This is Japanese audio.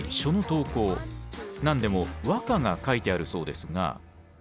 何でも和歌が書いてあるそうですが。